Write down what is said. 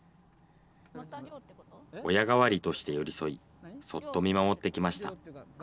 親代わりとして寄り添い、そっと見守ってきました。